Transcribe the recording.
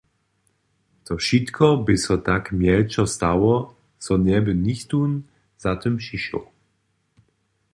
To wšitko bě so tak mjelčo stało, zo njeby nichtó za tym přišoł.